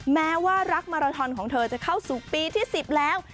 แม้ว่ารักมาราทอนของเธอจะเข้าสู่ปีที่๑๐แล้ว